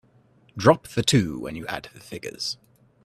Drop the two when you add the figures.